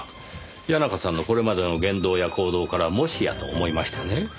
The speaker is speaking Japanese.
谷中さんのこれまでの言動や行動からもしやと思いましてね。